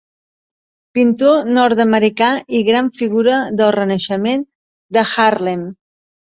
Pintor nord-americà i gran figura del Renaixement de Harlem.